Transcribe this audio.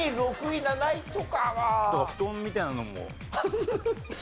だから布団みたいなのもね。